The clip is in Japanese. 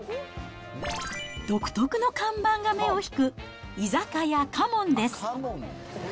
独特の看板が目を引く居酒屋花門です。